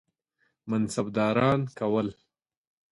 منصبداران کول.